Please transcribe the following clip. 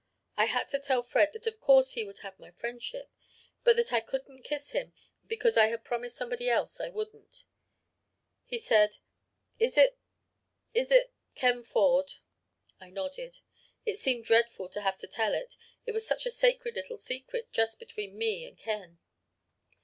I had to tell Fred that of course he would have my friendship, but that I couldn't kiss him because I had promised somebody else I wouldn't. "He said, 'It is is it Ken Ford?' "I nodded. It seemed dreadful to have to tell it it was such a sacred little secret just between me and Ken.